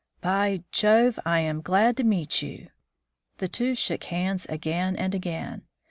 " By Jove ! I am glad to meet you." The two shook hands again and again.